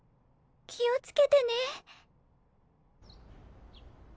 気をつけてね。